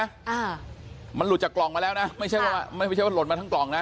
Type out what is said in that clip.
อ่ามันหลุดจากกล่องมาแล้วนะไม่ใช่ว่าไม่ใช่ว่าหล่นมาทั้งกล่องนะ